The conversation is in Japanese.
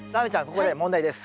ここで問題です。